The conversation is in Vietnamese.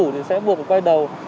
thì sẽ buộc quay đầu